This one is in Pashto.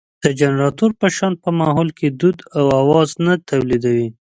د جنراتور په شان په ماحول کې دود او اواز نه تولېدوي.